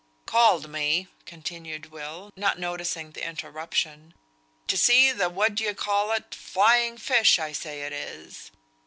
"Called me," continued Will, not noticing the interruption, "to see the what d'ye call it flying fish I say it is.